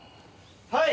はい！